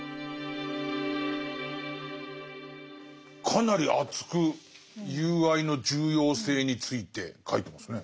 かなり熱く友愛の重要性について書いてますね。